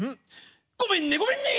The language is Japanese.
ごめんねごめんね」。